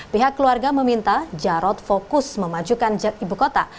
pihak keluarga meminta jarod fokus memajukan ibu kota